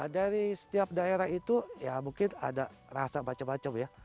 dari setiap daerah itu ya mungkin ada rasa macam macam ya